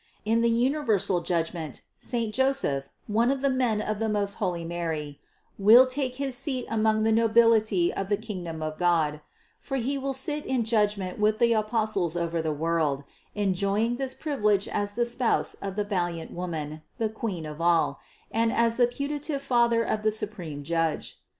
In the universal judgment saint Joseph, one of the men of the most holy Mary, will take his seat among the nobility of the kingdom of God; for he will sit in judgment with the Apostles over the world, enjoying this privilege as the spouse of the valiant Woman, the Queen of all, and as the putative father of the supreme Judge.